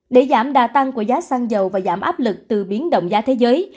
để giảm đa tăng của giá xăng dầu và giảm áp lực từ biến động giá thế giới